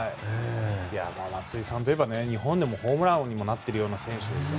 松井さんといえば日本でもホームラン王になっているような選手ですよ。